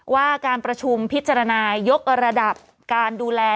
ว่าการประชุมพิจารณายกระดับการดูแล